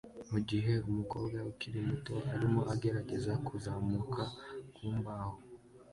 mugihe umukobwa ukiri muto arimo agerageza kuzamuka ku mbaho